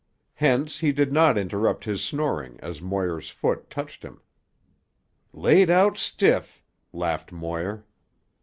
Hence he did not interrupt his snoring as Moir's foot touched him. "Laid out stiff!" laughed Moir.